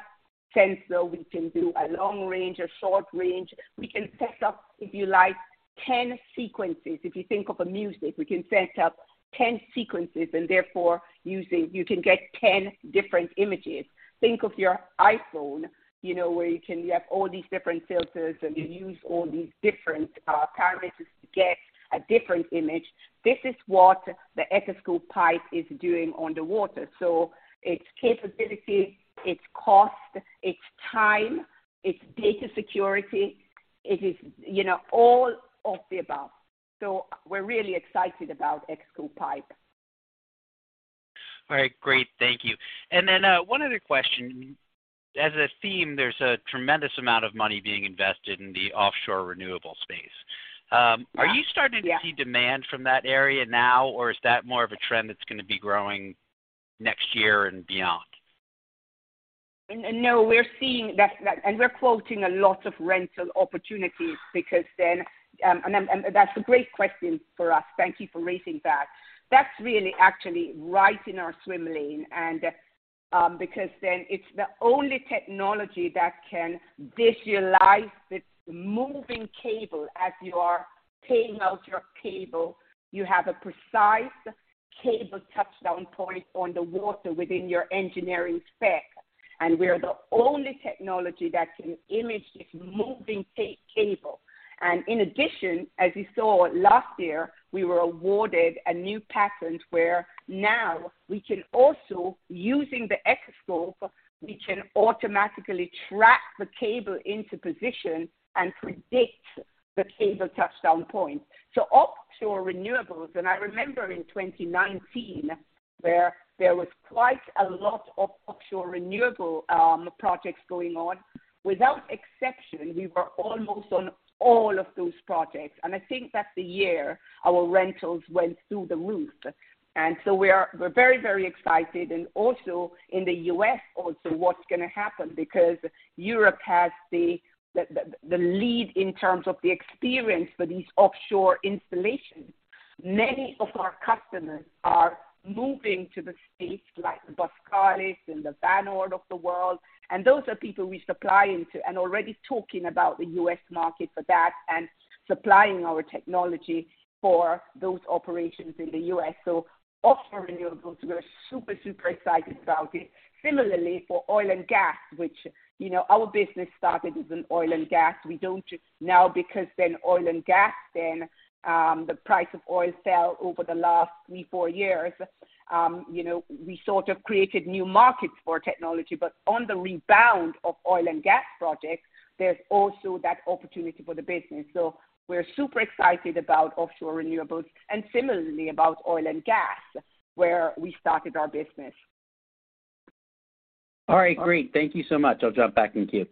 sensor, we can do a long range or short range. We can set up, if you like, 10 sequences. If you think of a music, we can set up 10 sequences and therefore you can get 10 different images. Think of your iPhone, you know, where you have all these different filters, and you use all these different parameters to get a different image. This is what the Echoscope PIPE is doing on the water. It's capability, it's cost, it's time, it's data security. It is, you know, all of the above. We're really excited about Echoscope PIPE. All right. Great. Thank you. Then, one other question. As a theme, there's a tremendous amount of money being invested in the offshore renewable space. Yeah. Are you starting to see demand from that area now, or is that more of a trend that's gonna be growing next year and beyond? No, we're seeing that, and we're quoting a lot of rental opportunities because then. That's a great question for us. Thank you for raising that. That's really actually right in our swim lane because then it's the only technology that can visualize this moving cable. As you are paying out your cable, you have a precise cable touchdown point on the water within your engineering spec, and we're the only technology that can image this moving cable. In addition, as you saw last year, we were awarded a new patent where now we can also, using the Echoscope, we can automatically track the cable into position and predict the cable touchdown point. Offshore renewables, and I remember in 2019 where there was quite a lot of offshore renewable projects going on, without exception, we were almost on all of those projects. I think that's the year our rentals went through the roof. We're very, very excited. In the U.S. also what's gonna happen because Europe has the lead in terms of the experience for these offshore installations. Many of our customers are moving to the States, like the Boskalis and the Van Oord of the world. Those are people we supply into and already talking about the U.S. market for that and supplying our technology for those operations in the U.S. Offshore renewables, we're super excited about it. Similarly, for oil and gas, which, you know, our business started as an oil and gas. We don't now because then oil and gas then, the price of oil fell over the last three, four years. You know, we sort of created new markets for technology, but on the rebound of oil and gas projects, there's also that opportunity for the business. We're super excited about offshore renewables and similarly about oil and gas, where we started our business. All right. Great. Thank you so much. I'll drop back in queue.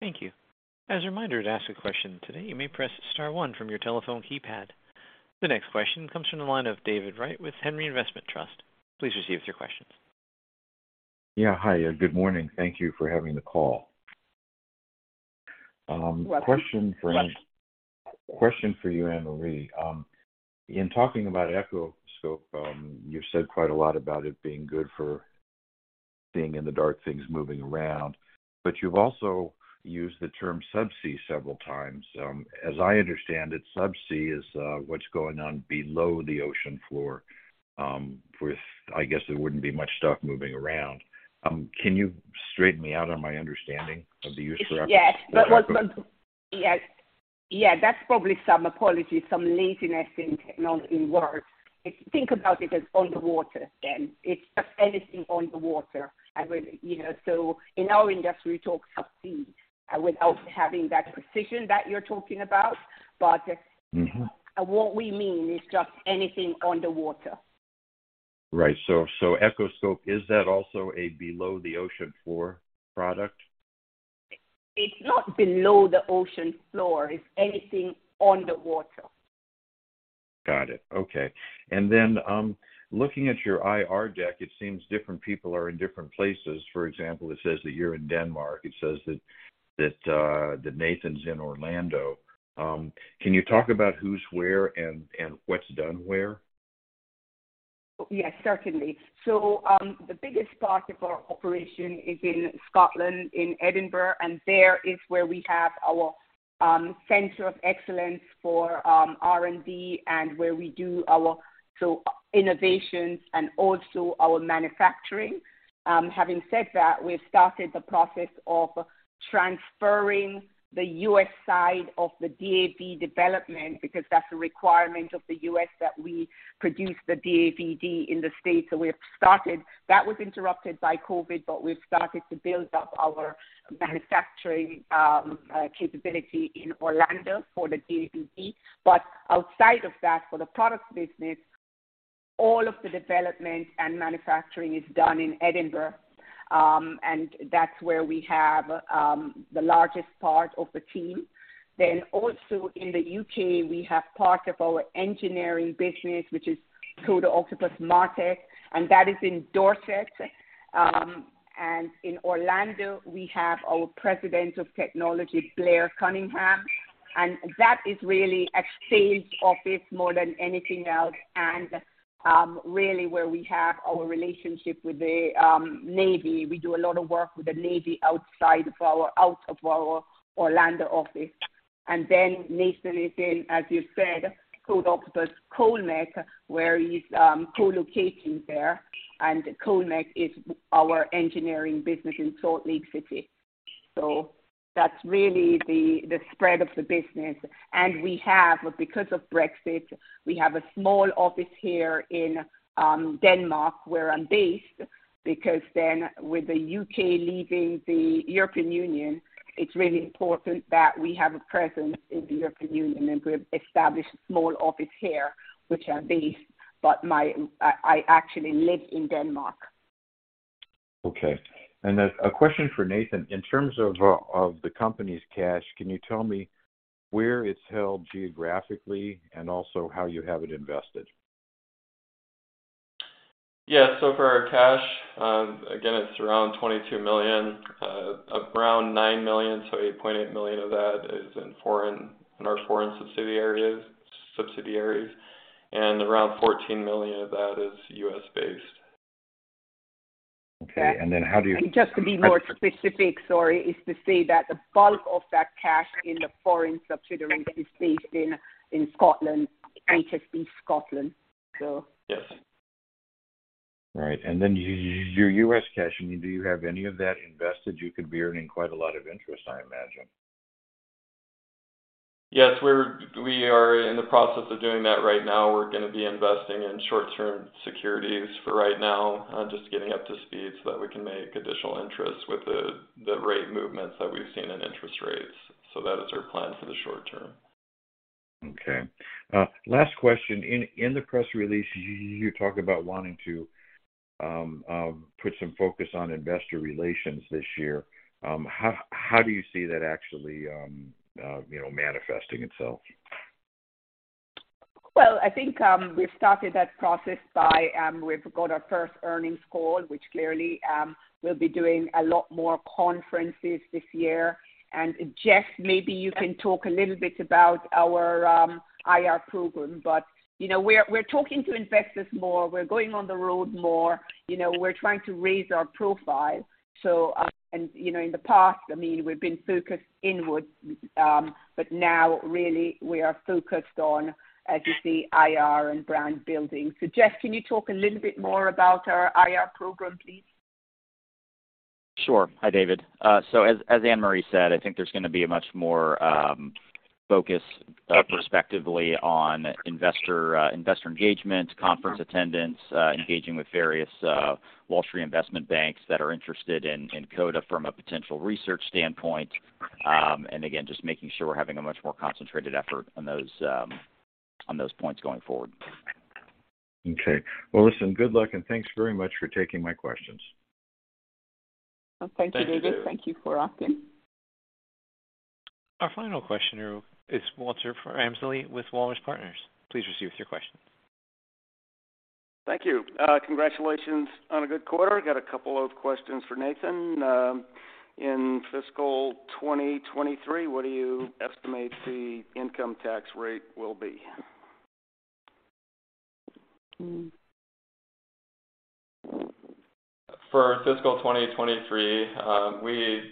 Thank you. As a reminder, to ask a question today, you may press star one from your telephone keypad. The next question comes from the line of David Wright with Henry Investment Trust. Please proceed with your questions. Yeah. Hi. Good morning. Thank you for having the call. Welcome. Question for you, Annmarie. You've been talking about Echoscope, you've said quite a lot about it being good for being in the dark, things moving around. You've also used the term subsea several times. As I understand it, subsea is what's going on below the ocean floor. I guess there wouldn't be much stuff moving around. Can you straighten me out on my understanding of the use for? Yes. Yes. That's probably some, apologies, some laziness in words. If you think about it as underwater, then it's just anything on the water. You know, in our industry, we talk subsea without having that precision that you're talking about. What we mean is just anything on the water. Right. Echoscope, is that also a below the ocean floor product? It's not below the ocean floor. It's anything on the water. Got it. Okay. Looking at your IR deck, it seems different people are in different places. For example, it says that you're in Denmark. It says that Nathan is in Orlando. Can you talk about who's where and what's done where? Yes, certainly. The biggest part of our operation is in Scotland, in Edinburgh, and there is where we have our center of excellence for R&D and where we do our subsea innovations and also our manufacturing. Having said that, we've started the process of transferring the U.S. side of the DAV development because that's a requirement of the U.S. that we produce the DAVD in the States. We have started. That was interrupted by COVID, but we've started to build up our manufacturing capability in Orlando for the DAVD. Outside of that, for the products business, all of the development and manufacturing is done in Edinburgh, and that's where we have the largest part of the team. Also in the U.K., we have part of our engineering business, which is Coda Octopus MarTech, and that is in Dorset. In Orlando, we have our President of Technology, Blair Cunningham, and that is really a sales office more than anything else and really where we have our relationship with the Navy. We do a lot of work with the Navy out of our Orlando office. Nathan is in, as you said, Coda Octopus Colmek, where he's co-locating there. Colmek is our engineering business in Salt Lake City. That's really the spread of the business. We have, because of Brexit, we have a small office here in Denmark, where I'm based. With the U.K. leaving the European Union, it's really important that we have a presence in the European Union. We've established a small office here, which I'm based, I actually live in Denmark. Okay. A question for Nathan. In terms of the company's cash, can you tell me where it's held geographically and also how you have it invested? Yeah. For our cash, again, it's around $22 million, around $9 million, so $8.8 million of that is in foreign, in our foreign subsidiaries, and around $14 million of that is U.S. based. Okay. Just to be more specific, sorry, is to say that the bulk of that cash in the foreign subsidiary is based in Scotland, HSBC Scotland, so. Yes. Then U.S. cash, I mean, do you have any of that invested? You could be earning quite a lot of interest, I imagine? Yes, we are in the process of doing that right now. We're gonna be investing in short-term securities for right now, just getting up to speed so that we can make additional interest with the rate movements that we've seen in interest rates. That is our plan for the short term. Last question. In the press release, you talk about wanting to put some focus on investor relations this year. How do you see that actually, you know, manifesting itself? Well, I think we've started that process by, we've got our first earnings call, which clearly, we'll be doing a lot more conferences this year. Jeff, maybe you can talk a little bit about our IR program. You know, we're talking to investors more. We're going on the road more. You know, we're trying to raise our profile. You know, in the past, I mean, we've been focused inward, now really we are focused on, as you see, IR and brand building. Jeff, can you talk a little bit more about our IR program, please? Sure. Hi, David. As Annmarie said, I think there's gonna be a much more focus respectively on investor engagement, conference attendance, engaging with various Wall Street investment banks that are interested in Coda Octopus from a potential research standpoint. Again, just making sure we're having a much more concentrated effort on those points going forward. Okay. Well, listen, good luck, and thanks very much for taking my questions. Thank you, David. Thank you. Thank you for asking. Our final questioner is Walter Ramsley with Wallace Partners. Please proceed with your question. Thank you. Congratulations on a good quarter. I got a couple of questions for Nathan. In fiscal 2023, what do you estimate the income tax rate will be? For fiscal 2023, we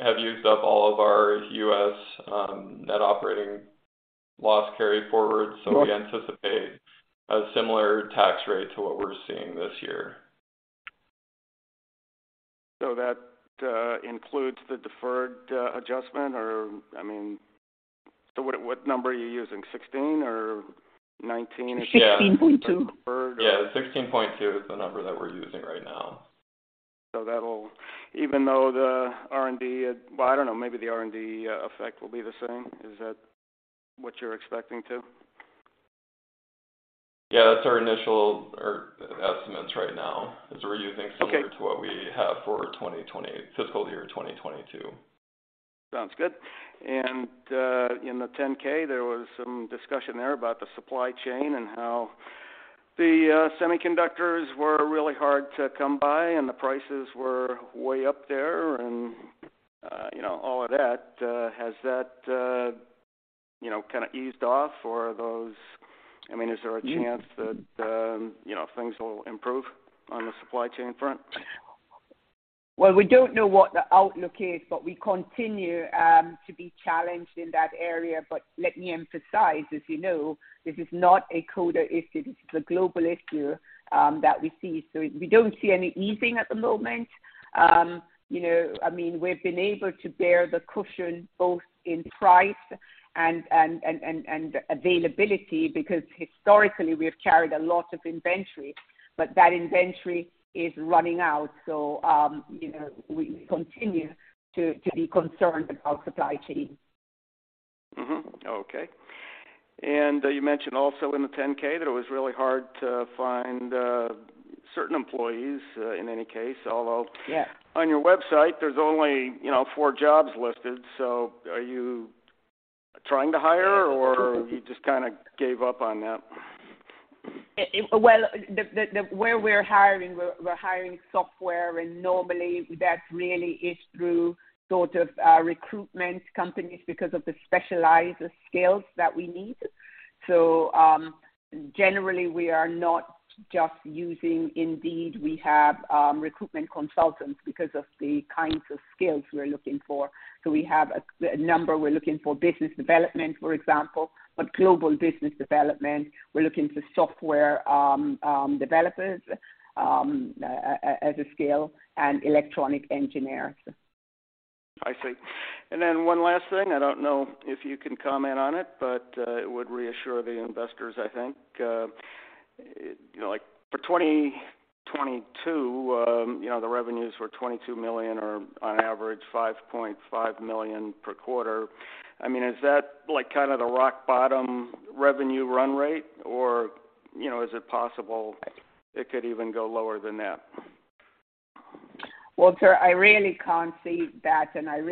have used up all of our U.S. net operating loss carryforwards. We anticipate a similar tax rate to what we're seeing this year. That includes the deferred adjustment or, I mean, what number are you using? 16 or 19? 16.2. Yeah. 16.2 is the number that we're using right now. Even though the R&D, well, I don't know, maybe the R&D effect will be the same. Is that what you're expecting too? Yeah, that's our initial or estimates right now, is we're using similar to what we have for fiscal year 2022. Sounds good. In the Form 10-K, there was some discussion there about the supply chain and how the semiconductors were really hard to come by and the prices were way up there and, you know, all of that. Has that, you know, eased off or are those... I mean, is there a chance that, you know, things will improve on the supply chain front? We don't know what the outlook is, but we continue to be challenged in that area. Let me emphasize, as you know, this is not a Coda issue. This is a global issue that we see. We don't see any easing at the moment. You know, I mean, we've been able to bear the cushion both in price and availability because historically we've carried a lot of inventory, but that inventory is running out. You know, we continue to be concerned about supply chain. Okay. You mentioned also in the Form 10-K that it was really hard to find certain employees in any case, although. Yeah. On your website, there's only, you know, four jobs listed. Are you trying to hire or you just kinda gave up on that? Well, where we're hiring, we're hiring software, and normally that really is through recruitment companies because of the specialized skills that we need. Generally we are not just using Indeed. We have recruitment consultants because of the skills we're looking for. We have a number we're looking for business development, for example, but global business development, we're looking for software developers as a skill and electronic engineers. I see. One last thing. I don't know if you can comment on it, but it would reassure the investors, I think. You know, like for 2022, you know, the revenues were $22 million or on average $5.5 million per quarter. I mean, is that like kind of the rock bottom revenue run rate or, you know, is it possible it could even go lower than that? Walter, I really can't say that. I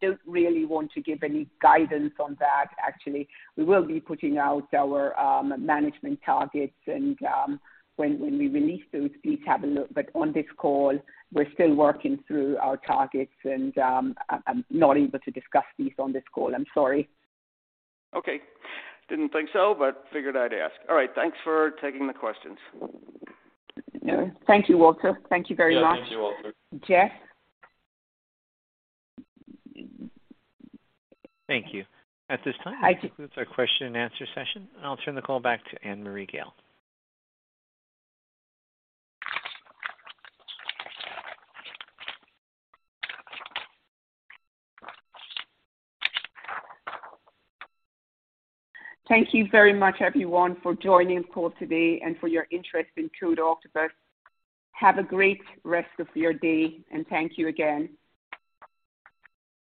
don't really want to give any guidance on that actually. We will be putting out our management targets and, when we release those, please have a look. On this call, we're still working through our targets and, I'm not able to discuss these on this call. I'm sorry. Okay. Didn't think so, but figured I'd ask. All right. Thanks for taking the questions. Thank you, Walter. Thank you very much. Yeah. Thank you, Walter. Jeff? Thank you. That concludes our question and answer session, and I'll turn the call back to Annmarie Gayle. Thank you very much everyone for joining the call today and for your interest in Coda Octopus. Have a great rest of your day, thank you again.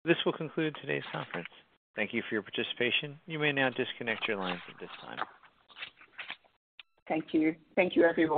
This will conclude today's conference. Thank you for your participation. You may now disconnect your lines at this time. Thank you. Thank you, everyone.